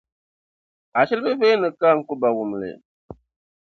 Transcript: Ashili bi veeni ka 'N-ku-ba' wum li.